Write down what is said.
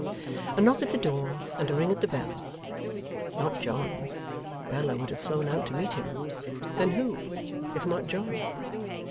A knock at the door, and a ring at the bell. Not John; or Bella would have flown out to meet him. Then who, if not John?